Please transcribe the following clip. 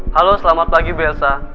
halo selamat pagi belza